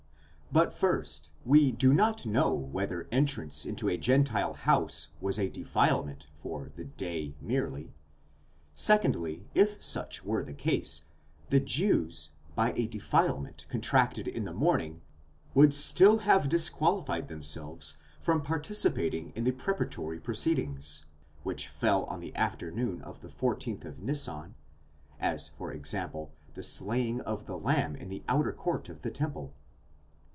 _ But first, we do not know whether entrance into a Gentile house was a defilement for the day merely ; secondly, if such were the case, the Jews, by a defilement con tracted in the morning, would still have disqualified themselves from partici pating in the preparatory proceedings, which fell on the afternoon of the 14th of Nisan; as, for example, the slaying of the lamb in the outer court of the temple.